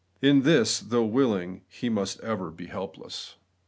In this, even though willing, he must ever be helpless.